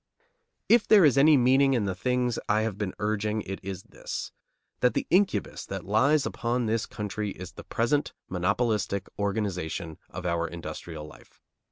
If there is any meaning in the things I have been urging, it is this: that the incubus that lies upon this country is the present monopolistic organization of our industrial life.